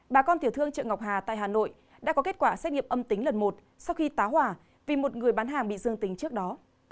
bà con tiểu thương chợ ngọc hà tại hà nội đã có kết quả xét nghiệm âm tính lần một sau khi tá hỏa vì một người bán hàng bị dương tính trước đó